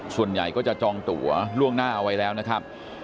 ส่วนใหญ่ก็จะจองตัวล่วงหน้าเอาไว้แล้วนะครับ